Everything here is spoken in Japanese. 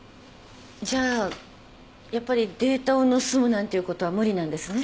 じゃあやっぱりデータを盗むなんていうことは無理なんですね？